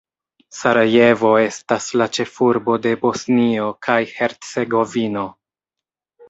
Sarajevo estas la ĉefurbo de Bosnio kaj Hercegovino.